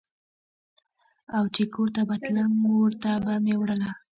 او چې کور ته به تلم مور ته به مې وړله.